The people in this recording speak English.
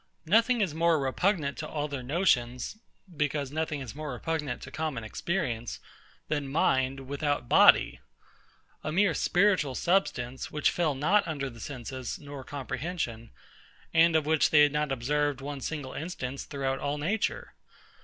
Nothing more repugnant to all their notions, because nothing more repugnant to common experience, than mind without body; a mere spiritual substance, which fell not under their senses nor comprehension, and of which they had not observed one single instance throughout all nature.